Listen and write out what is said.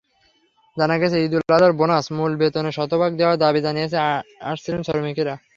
জানা গেছে, ঈদুল আজহার বোনাস মূল বেতনের শতভাগ দেওয়ার দাবি জানিয়ে আসছিলেন শ্রমিকেরা।